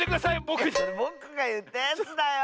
ぼくがいったやつだよ。